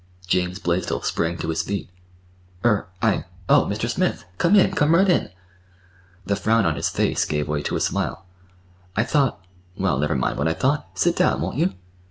James Blaisdell sprang to his feet. "Er—I—oh, Mr. Smith, come in, come right in!" The frown on his face gave way to a smile. "I thought—Well, never mind what I thought. Sit down, won't you?"